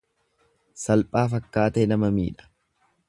Salphaa fakkaatee nama miidha.